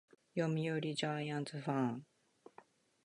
読売ジャイアンツファン